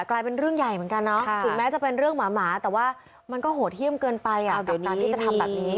กลายเป็นเรื่องใหญ่เหมือนกันเนาะถึงแม้จะเป็นเรื่องหมาแต่ว่ามันก็โหดเยี่ยมเกินไปกับการที่จะทำแบบนี้